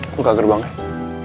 gue ke gerbangnya